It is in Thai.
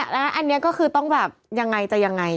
แล้วอันนี้ก็คือต้องแบบยังไงจะยังไง